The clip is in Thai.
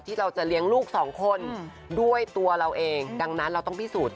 เราจะเลี้ยงลูกสองคนด้วยตัวเราเองดังนั้นเราต้องพิสูจน